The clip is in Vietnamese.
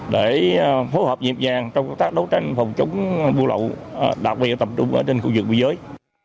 để phối hợp dịp dàng trong công tác đấu tranh phòng chống buôn lậu đặc biệt tầm trung trên khu vực biên giới